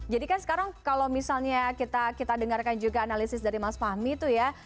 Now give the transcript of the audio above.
jadi kan sekarang kalau misalnya kita dengarkan juga analisis dari mas fahmi itu ya